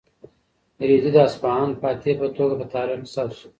رېدي د اصفهان فاتح په توګه په تاریخ کې ثبت شو.